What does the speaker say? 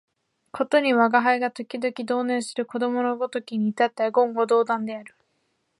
ことに吾輩が時々同衾する子供のごときに至っては言語道断である